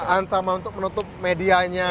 ancaman untuk menutup medianya